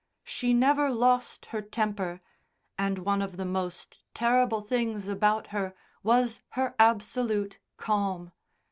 She never lost her temper, and one of the most terrible things about her was her absolute calm.